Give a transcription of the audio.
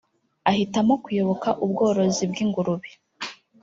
ahitamo kuyoboka ubworozi bw’ingurube